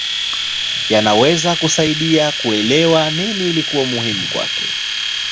Yanaweza kusaidia kuelewa nini ilikuwa muhimu kwake.